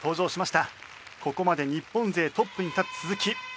ここまで日本勢トップに立つ鈴木。